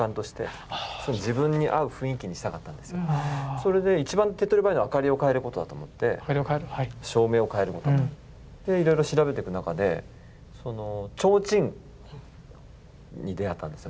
それで一番手っとり早いのがあかりを変えることだと思って照明を変えることだと。でいろいろ調べていく中で提灯に出会ったんですよ